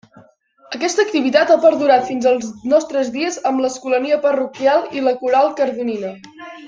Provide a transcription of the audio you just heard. Aquesta activitat ha perdurat fins als nostres dies amb l'Escolania parroquial i la Coral Cardonina.